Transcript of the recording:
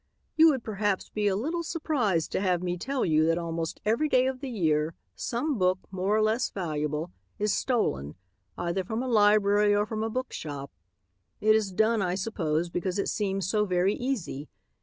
You would perhaps be a little surprised to have me tell you that almost every day of the year some book, more or less valuable, is stolen, either from a library or from a bookshop. It is done, I suppose, because it seems so very easy.